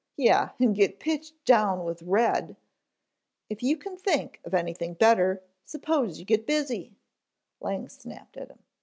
"Yeh, en get pitched down with Red " "If you can think of anything better, suppose you get busy," Lang snapped at him.